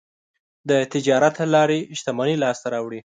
د تجارت له لارې شتمني لاسته راوړي.